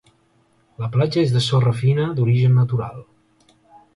La platja és de sorra fina d'origen natural.